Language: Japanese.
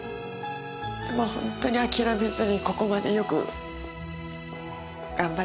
もう本当に諦めずにここまでよく頑張ってきてくれたな。